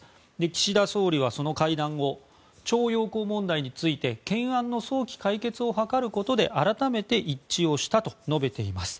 岸田総理はその会談後徴用工問題について懸案の早期解決を図ることで改めて一致をしたと述べています。